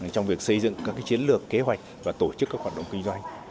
trong việc xây dựng các chiến lược kế hoạch và tổ chức các hoạt động kinh doanh